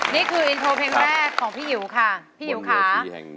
นี่คืออินโทรเพลงแรกของพี่อิ๋วค่ะ